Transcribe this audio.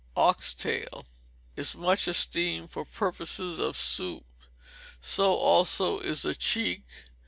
Ox tail is much esteemed for purposes of soup; so also is the Cheek.